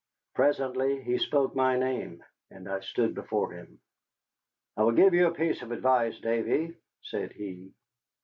Presently he spoke my name, and I stood before him. "I will give you a piece of advice, Davy," said he.